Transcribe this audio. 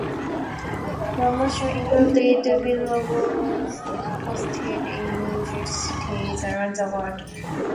Promotion included billboards posted in major cities around the world.